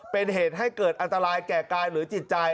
เป็นเหตุให้เกิดอันตรายแก่กายหรือจิตใจ